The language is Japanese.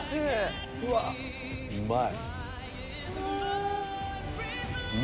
うまい。